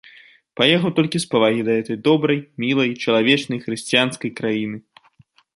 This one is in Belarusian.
Паехаў толькі з павагі да гэтай добрай, мілай, чалавечнай, хрысціянскай краіны!